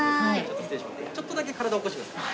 ちょっとだけ体起こしてください。